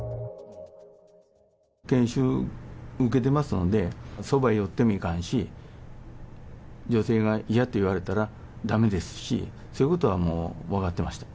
研修を受けてますので、そばに寄ってもいかんし、女性が嫌と言われたら、だめですし、そういうことはもう分かってました。